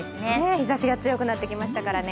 日ざしが強くなってきましたからね。